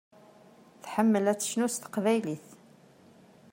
Tḥemmel ad tecnu s teqbaylit.